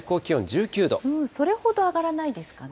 それほど上がらないですかね。